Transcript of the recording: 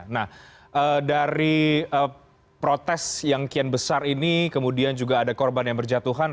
nah dari protes yang kian besar ini kemudian juga ada korban yang berjatuhan